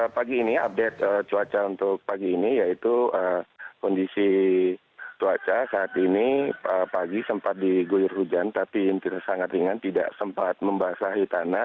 pagi ini update cuaca untuk pagi ini yaitu kondisi cuaca saat ini pagi sempat diguyur hujan tapi sangat ringan tidak sempat membasahi tanah